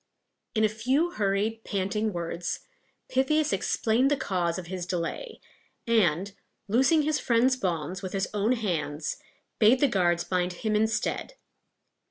In a few hurried, panting words, Pythias explained the cause of his delay, and, loosing his friend's bonds with his own hands, bade the guards bind him instead.